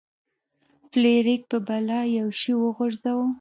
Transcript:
فلیریک په بلا یو شی وغورځاوه.